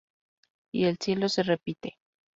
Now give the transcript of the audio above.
Y el ciclo se repite.